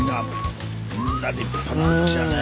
みんな立派なおうちやねえ。